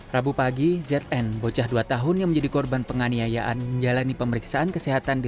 rabu pagi zn bocah dua tahun yang menjadi korban penganiayaan menjalani pemeriksaan kesehatan di